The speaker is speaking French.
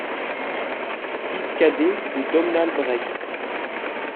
Fils cadet de Domnall Brecc.